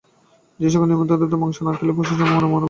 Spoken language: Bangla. সে-সকল স্থলে নিমন্ত্রিত হয়ে মাংস না খেলে পশুজন্ম হয়, মনু বলছেন।